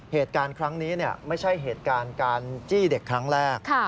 เหตุการณ์ครั้งนี้ไม่ใช่เหตุการณ์การจี้เด็กครั้งแรก